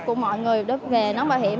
của mọi người về nón bảo hiểm